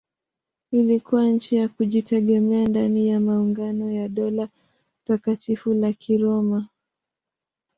Ilikuwa nchi ya kujitegemea ndani ya maungano ya Dola Takatifu la Kiroma.